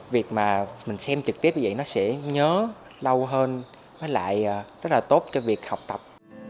việc mà mình xem trực tiếp như vậy nó sẽ nhớ lâu hơn với lại rất là tốt cho việc học tập